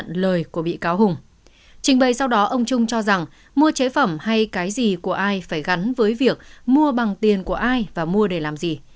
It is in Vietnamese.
trình bày sau đó ông trung cho rằng mua chế phẩm hay cái gì của ai phải gắn với việc mua bằng tiền của ai và mua để làm gì